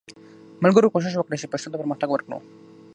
ملګرو کوښښ وکړئ چې پښتو ته پرمختګ ورکړو